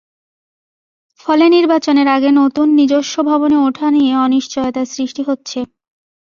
ফলে নির্বাচনের আগে নতুন নিজস্ব ভবনে ওঠা নিয়ে অনিশ্চয়তার সৃষ্টি হচ্ছে।